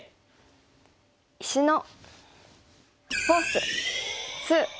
「石のフォース２」。